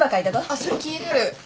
あっそれ気になる！